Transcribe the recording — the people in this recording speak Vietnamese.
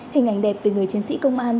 hình ảnh đẹp về người chiến sĩ công an